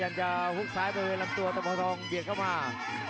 เดินเข้าก้รมตัวเผื่อถึงแค่ขวา